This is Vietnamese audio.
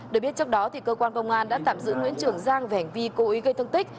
được biết trước đó cơ quan công an đã tạm giữ nguyễn trường giang về hành vi cố ý gây thương tích